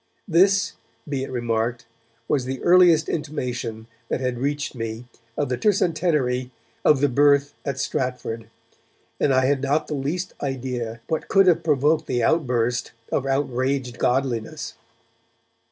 This, be it remarked, was the earliest intimation that had reached me of the tercentenary of the Birth at Stratford, and I had not the least idea what could have provoked the outburst of outraged godliness.